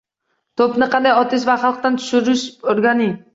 To‘pni qanday otish va halqadan tushirish o'rgating.